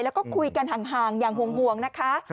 แล้วก็คุยกันห่างอย่างห่วงนะคะ